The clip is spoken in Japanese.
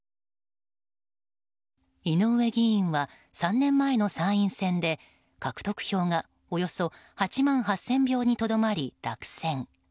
井上議員は３年前の参院選で獲得票がおよそ８万８０００票にとどまり落選。